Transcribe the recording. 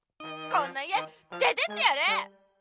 こんな家出てってやる！